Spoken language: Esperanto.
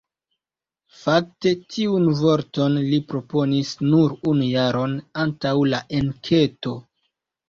Fakte, tiun vorton li proponis nur unu jaron antaŭ la enketo.